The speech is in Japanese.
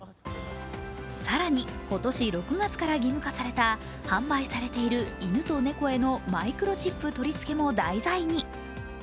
更に、今年６月から義務化された販売されている犬と猫へのマイクロチップ取り付けも題材に。